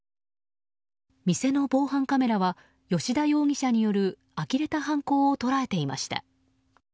店の防犯カメラは吉田容疑者によるあきれた犯行を捉えていました。